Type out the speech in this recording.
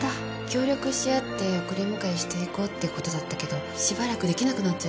協力し合って送り迎えしていこうってことだったけどしばらくできなくなっちゃったの。